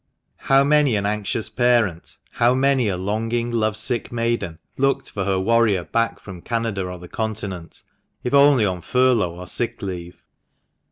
How many an anxious parent, how many a longing, love sick maiden, looked for her warrior back from Canada or the Continent, if only on furlough or sick leave